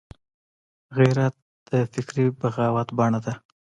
غیرت د فکري بغاوت بڼه ده